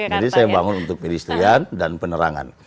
jadi saya bangun untuk pedestrian dan penerangan